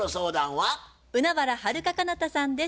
はるか・かなたさんです。